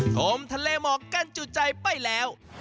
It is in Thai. ชมทะเลหมอกกันจุดใจไปแล้ว